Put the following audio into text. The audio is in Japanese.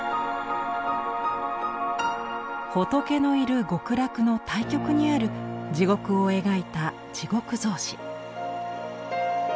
仏のいる極楽の対極にある地獄を描いた「地獄草紙」。